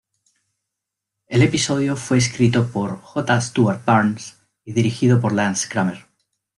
El episodio fue escrito por J. Stewart Burns y dirigido por Lance Kramer.